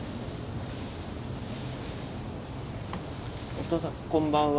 おとうさんこんばんは。